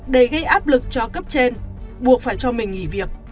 để gây áp lực cho cấp trên buộc phải cho mình nghỉ việc